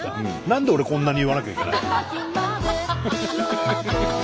何で俺こんなに言わなきゃいけないの？